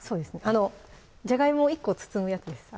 あのじゃがいもを１個包むやつです